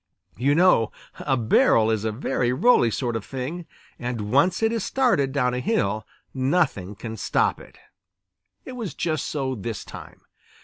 You know a barrel is a very rolly sort of thing, and once it has started down a hill, nothing can stop it. It was just so this time.